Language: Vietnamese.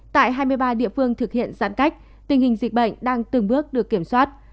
tại hai mươi ba địa phương thực hiện giãn cách tình hình dịch bệnh đang từng bước được kiểm soát